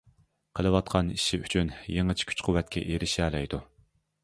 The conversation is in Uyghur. قىلىۋاتقان ئىشى ئۈچۈن يېڭىچە كۈچ-قۇۋۋەتكە ئېرىشەلەيدۇ.